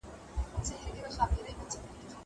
دا خلک کومي زمانې ته درومي